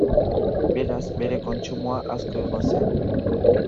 Beraz, bere kontsumoa asko igo zen.